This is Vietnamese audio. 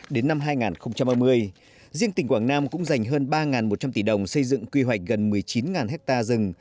đến năm hai nghìn ba mươi riêng tỉnh quảng nam cũng dành hơn ba một trăm linh tỷ đồng xây dựng quy hoạch gần một mươi chín ha rừng